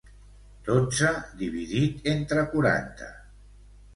Dotze dividit entre quaranta.